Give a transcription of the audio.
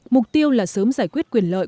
mục tiêu là sớm giải quyết quyền lợi